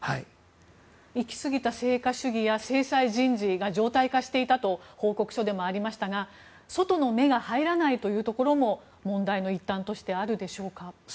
行き過ぎた成果主義や制裁人事が常態化していたと報告書でもありましたが外の目が入らないというところも問題の一端としてあるでしょうか。